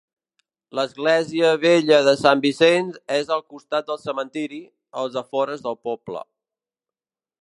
L'església vella de Sant Vicenç és al costat del cementiri, als afores del poble.